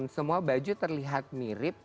semua baju terlihat mirip